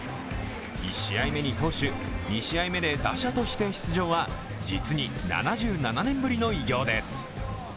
１試合目に投手、２試合目に打者として出場は実に７７年ぶりの偉業です。